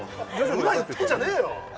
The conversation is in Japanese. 裏言ってんじゃねえよ！